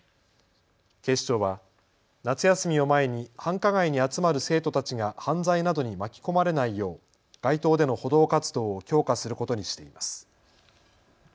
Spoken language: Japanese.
警視庁は夏休みを前に繁華街に集まる生徒たちが犯罪などに巻き込まれないよう街頭での補導活動を強化することにしています。